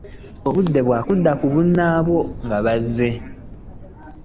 Obudde bwakudda ku bunnaabwo nga bazze.